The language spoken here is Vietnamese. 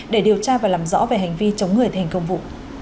để điều tra và làm rõ về hành vi chống người thành công vụ